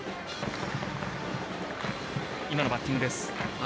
今のバッティングです。